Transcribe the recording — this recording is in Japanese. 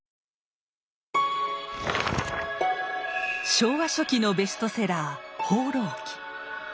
昭和初期のベストセラー「放浪記」。